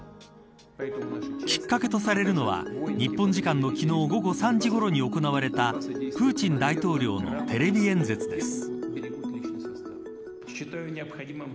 きっかけとされるのは日本時間の昨日午後３時ごろに行われたプーチン大統領のテレビ演説です。